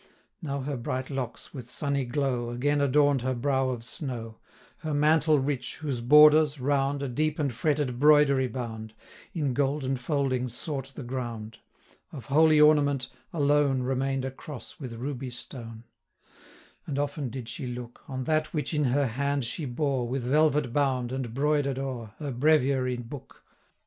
Now her bright locks, with sunny glow, 75 Again adorn'd her brow of snow; Her mantle rich, whose borders, round, A deep and fretted broidery bound, In golden foldings sought the ground; Of holy ornament, alone 80 Remain'd a cross with ruby stone; And often did she look On that which in her hand she bore, With velvet bound, and broider'd o'er, Her breviary book.